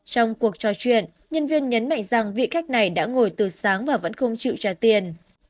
trong cuộc trò chuyện nhân viên nhấn mạnh rằng vị khách này đã ngồi từ sáng và vẫn không chịu trả tiền